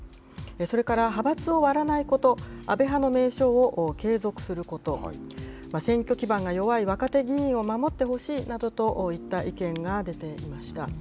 それから、派閥を割らないこと、安倍派の名称を継続すること、選挙基盤が弱い若手議員を守ってほしいなどといった意見が出ていました。